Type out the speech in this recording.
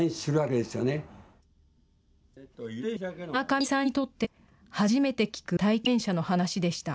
山上さんにとって初めて聞く体験者の話でした。